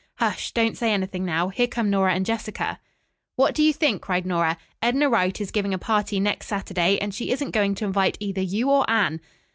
Hush! Don't say anything now. Here come Nora and Jessica." "What do you think!" cried Nora. "Edna Wright is giving a party next Saturday, and she isn't going to invite either you or Anne."